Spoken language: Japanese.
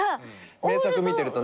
名作見てるとね。